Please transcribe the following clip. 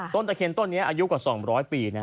ตะเคียนต้นนี้อายุกว่า๒๐๐ปี